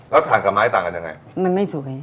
แล้วถ่านกับไม้ต่างกันยังไง